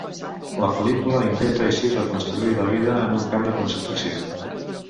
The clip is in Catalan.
La pel·lícula intenta així reconstituir la vida en un camp de concentració.